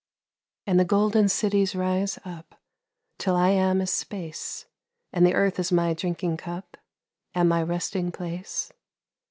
And the golden cities rise up Till I am as space, And the earth is my drinking cup And my resting place.